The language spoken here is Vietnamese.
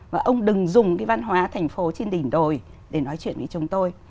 và ông đừng dùng cái văn hóa thành phố trên đỉnh đồi để nói chuyện với chúng tôi